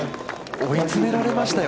追い詰められましたよ。